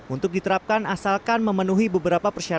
untuk diterapkan asalkan memenuhi beberapa persyaratan